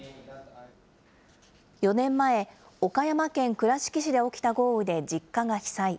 ４年前、岡山県倉敷市で起きた豪雨で実家が被災。